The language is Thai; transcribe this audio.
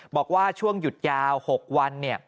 บอกว่าช่วงหยุดยาว๖วัน